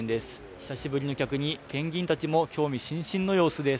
久しぶりの客にペンギンたちも興味津々の様子です。